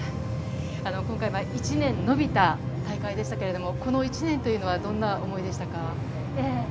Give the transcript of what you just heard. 今回１年延びた大会でしたけれど、この１年というのはどんな思いでしたか？